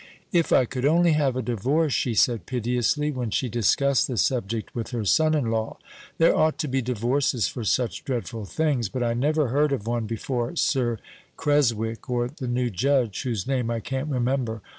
"If I could only have a divorce," she said piteously, when she discussed the subject with her son in law. "There ought to be divorces for such dreadful things; but I never heard of one before Sir Creswick, or the new judge, whose name I can't remember.